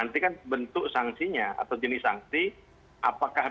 dan sanksi itu adalah yang apa